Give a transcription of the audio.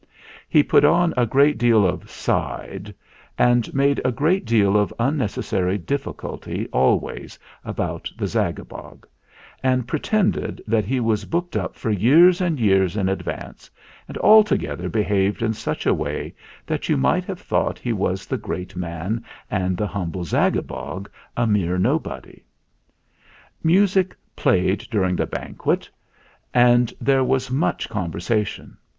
He put on a great deal of "side," and made a great deal of unnecessary difficulty always about the Zagabog, and pretended that he was booked up for years and years in advance, and altogether behaved in such a way that you might have thought he was the great man and the humble Zagabog a mere nobody. Music played during the banquet, and there THE ZAGABOG 117 was much conversation.